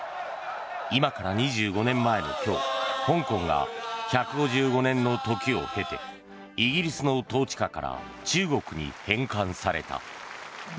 今から２５年前の今日香港が１５５年の時を経てイギリスの統治下から中国に返還された。